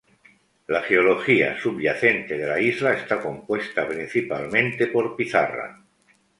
La geología subyacente de la isla está compuesta principalmente por pizarra.